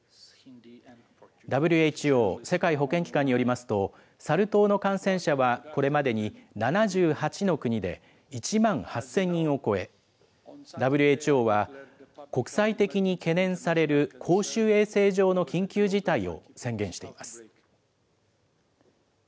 ＷＨＯ・世界保健機関によりますと、サル痘の感染者はこれまでに７８の国で１万８０００人を超え、ＷＨＯは、国際的に懸念される公衆衛生上の緊急事態を宣言しています。